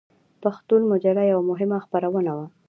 پښتون مجله یوه مهمه خپرونه وه.